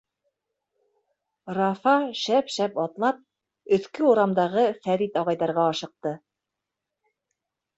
Рафа шәп-шәп атлап өҫкө урамдағы Фәрит ағайҙарға ашыҡты.